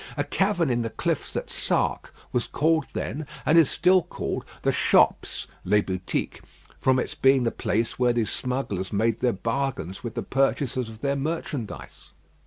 A cavern in the cliffs at Sark was called then, and is still called, the "Shops" ("Les Boutiques"), from its being the place where these smugglers made their bargains with the purchasers of their merchandise.